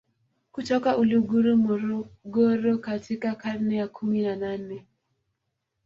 kutoka Uluguru Morogoro katika karne ya kumi na nane